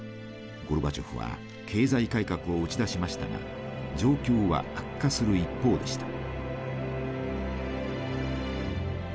ゴルバチョフは経済改革を打ち出しましたが状況は悪化する一方でした。